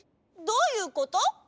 どういうこと？